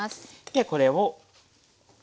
でこれを。